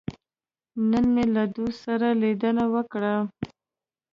نن مې له دوست سره لیدنه وکړه.